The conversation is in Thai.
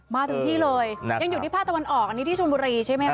มาถึงที่เลยยังอยู่ที่ภาคตะวันออกอันนี้ที่ชนบุรีใช่ไหมคะ